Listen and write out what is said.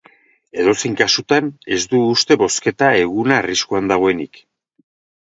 Edozein kasutan, ez du uste bozketa eguna arriskuan dagoenik.